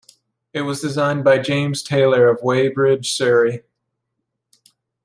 It was designed by James Taylor of Weybridge, Surrey.